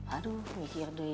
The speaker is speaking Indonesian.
aduh mikir dui